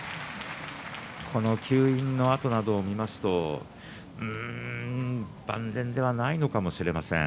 この吸引の跡などを見ますと万全ではないのかもしれません。